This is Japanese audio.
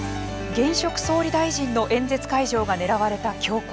現職総理大臣の演説会場が狙われた凶行。